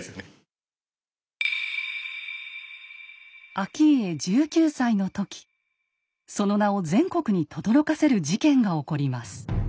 顕家１９歳の時その名を全国にとどろかせる事件が起こります。